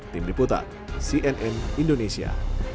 tim diputat cnn indonesia